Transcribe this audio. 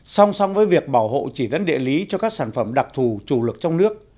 song song với việc bảo hộ chỉ dẫn địa lý cho các sản phẩm đặc thù chủ lực trong nước